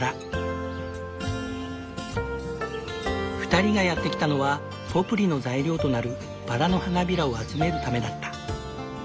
２人がやって来たのはポプリの材料となるバラの花びらを集めるためだった。